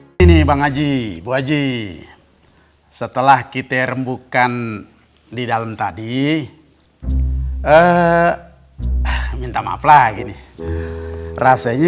hai ini bang aji bu aji setelah kita rembukan di dalam tadi eh minta maaf lagi nih rasanya